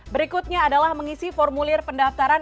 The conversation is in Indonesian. berikutnya adalah mengisi formulir pendaftaran